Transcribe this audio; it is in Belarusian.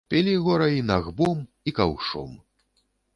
Пілі гора й нагбом, і каўшом.